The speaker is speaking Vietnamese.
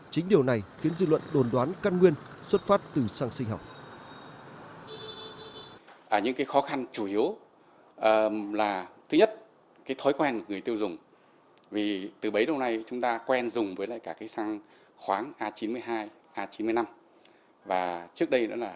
chính điều này khiến dư luận đồn đoán căn nguyên xuất phát từ sau sinh học